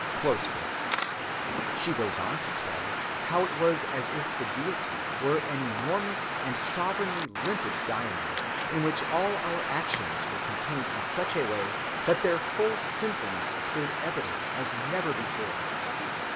(254) She goes on to tell how it was as if the Deity were an enormous and sovereignly limpid diamond, in which all our actions were contained in such a way that their full sinfulness appeared evident as never before.